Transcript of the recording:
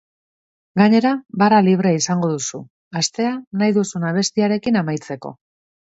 Gainera, barra librea izango duzu, astea nahi duzun abestiarekin amaitzeko.